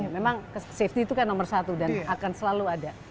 memang safety itu kan nomor satu dan akan selalu ada